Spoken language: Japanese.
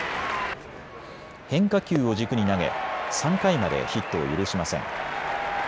変化球を軸に投げ３回までヒットを許しません。